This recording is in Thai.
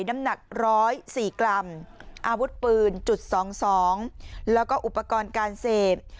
น้ำหนักร้อยสี่กรัมอาวุธปืนจุดสองสองแล้วก็อุปกรณ์การเสพ